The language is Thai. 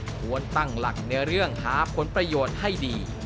ควรตั้งหลักในเรื่องหาผลประโยชน์ให้ดี